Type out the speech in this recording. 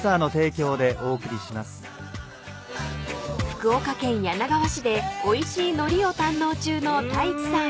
［福岡県柳川市でおいしいのりを堪能中の太一さん］